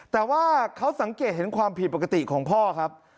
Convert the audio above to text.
แต่ว่าเขาสังเกตเห็นความผิดปกติของพ่อครับ